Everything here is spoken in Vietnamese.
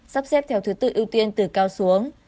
sắp xếp theo thứ tự ưu tiên từ cao xuống